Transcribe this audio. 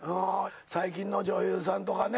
最近の女優さんとかね